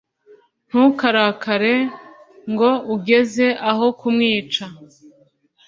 ntukarakare ngo ugeze aho kumwica